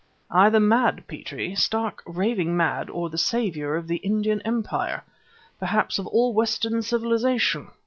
"Either mad, Petrie, stark raving mad, or the savior of the Indian Empire perhaps of all Western civilization.